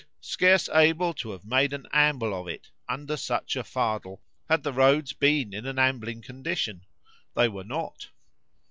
——scarce able to have made an amble of it, under such a fardel, had the roads been in an ambling condition.——They were not.